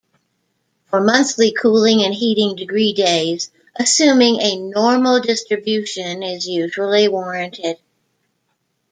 For monthly cooling and heating degree days, assuming a normal distribution is usually warranted.